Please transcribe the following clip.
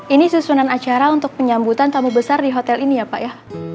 ini susunan acara untuk penyambutan tamu besar di hotel ini ya pak ya